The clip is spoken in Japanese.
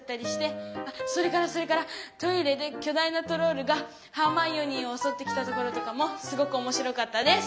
あそれからそれからトイレできょ大なトロールがハーマイオニーをおそってきたところとかもすごくおもしろかったです！